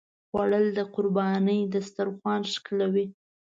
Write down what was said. خوړل د قربانۍ دسترخوان ښکلوي